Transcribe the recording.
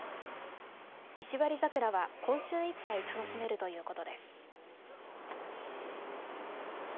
石割桜は、今週いっぱい楽しめるということです。